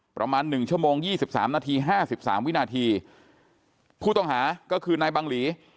ประมาณ๑ชั่วโมง๒๓นาที๕๓วินาทีผู้ต้องหาก็คือนายบังหลี